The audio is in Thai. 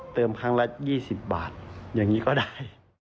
ครั้งละ๒๐บาทอย่างนี้ก็ได้